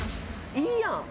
いいやん！